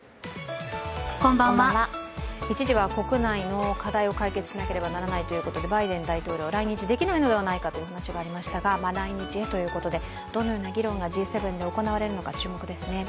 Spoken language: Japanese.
一時は国内の課題を解決しなければならないということでバイデン大統領は来日できないのではないかというお話がありましたが来日へということで、どのような議論がＧ７で行われるのか注目ですね。